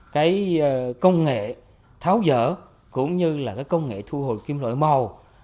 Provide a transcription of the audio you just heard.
cái công nghệ tháo dở cũng như là cái công nghệ thu hồi kim loại màu